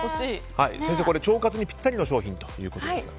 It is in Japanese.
腸活にぴったりの商品ということですね。